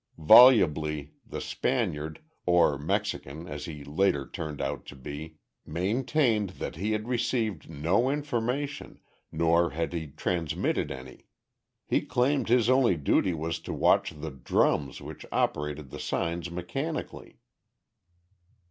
Volubly the Spaniard or Mexican, as he later turned out to be maintained that he had received no information, nor had he transmitted any. He claimed his only duty was to watch the "drums" which operated the signs mechanically.